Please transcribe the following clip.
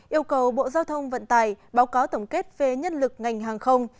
yêu cầu bộ giao thông vận tải báo cáo tổng kết về nhân lực ngành hàng không